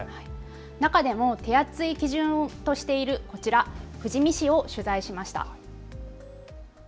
中でも手厚い基準としているこちら、富士見市を取材しました。